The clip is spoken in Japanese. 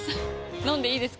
飲んでいいですか？